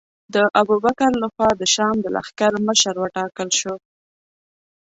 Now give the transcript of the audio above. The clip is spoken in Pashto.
د ابوبکر له خوا د شام د لښکر مشر وټاکل شو.